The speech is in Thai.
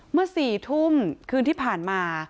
เมื่อ๔ทุ่มคืนที่ผ่านมา